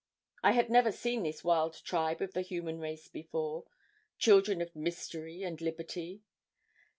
I had never seen this wild tribe of the human race before children of mystery and liberty.